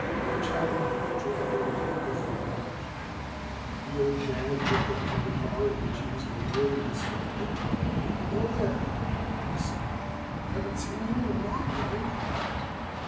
Arch happened to drop in at Hinkel's garage. The old man looked up from a car on which he was laboring and smiled. "Hello, there," he said. "Haven't seen you in a long time."